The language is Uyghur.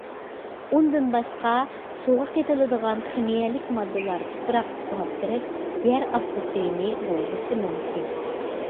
ئۇندىن باشقا سۇغا قېتىلىدىغان خىمىيەلىك ماددىلار تۇپراققا سىڭىپ كېرىپ يەر ئاستى سۈيىنى بۇلغىشى مۇمكىن.